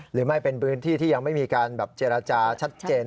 หรือไม่เป็นพื้นที่ที่ยังไม่มีการแบบเจรจาชัดเจน